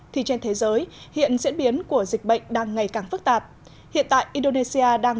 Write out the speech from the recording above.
thì trên thế giới hiện diễn biến của dịch bệnh đang ngày càng phức tạp hiện tại indonesia đang